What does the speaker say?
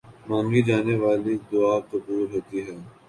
مانگی جانے والی دعا قبول ہوتی ہے۔